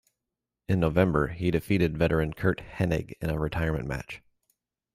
In November, he defeated veteran Curt Hennig in a retirement match.